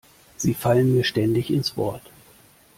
Sie fallen mir ständig ins Wort.